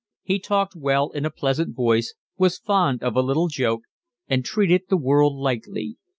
He talked well in a pleasant voice, was fond of a little joke, and treated the world lightly.